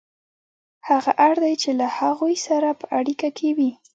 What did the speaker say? هغه اړ دی چې له هغوی سره په اړیکه کې وي